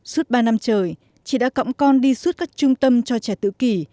suốt ba năm trời chị đã cọng con đi suốt các trung tâm cho trẻ tự kỷ